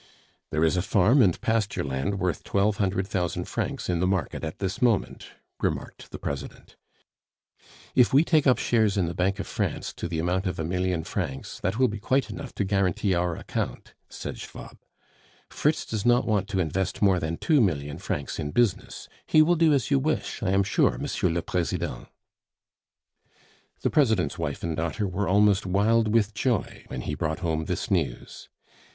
"There is a farm and pasture land worth twelve hundred thousand francs in the market at this moment," remarked the President. "If we take up shares in the Bank of France to the amount of a million francs, that will be quite enough to guarantee our account," said Schwab. "Fritz does not want to invest more than two million francs in business; he will do as you wish, I am sure, M. le President." The President's wife and daughter were almost wild with joy when he brought home this news.